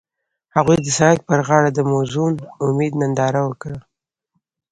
هغوی د سړک پر غاړه د موزون امید ننداره وکړه.